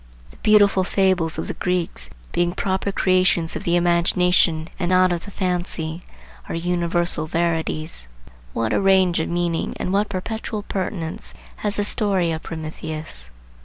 The beautiful fables of the Greeks, being proper creations of the imagination and not of the fancy, are universal verities. What a range of meanings and what perpetual pertinence has the story of Prometheus!